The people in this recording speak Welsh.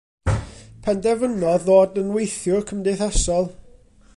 Penderfynodd ddod yn weithiwr cymdeithasol.